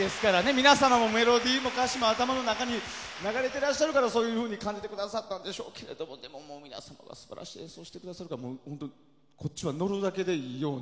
皆さんもメロディーも歌詞も頭の中に流れていらっしゃるからそう感じてくださったんでしょうけど皆様が素晴らしい演奏をしてくださるから本当にこっちは乗るだけでいいような。